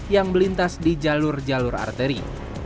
yang melintas di jalur jalur arteri